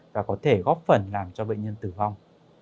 và có thể góp phần làm cho bệnh nhân tử vong